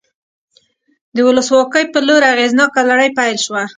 د ولسواکۍ په لور اغېزناکه لړۍ پیل شوه.